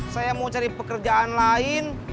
saya mau cari pekerjaan lain